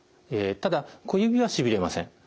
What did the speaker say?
ただ小指はしびれません。